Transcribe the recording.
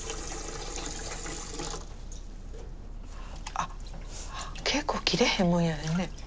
あっ結構切れへんもんやねんね。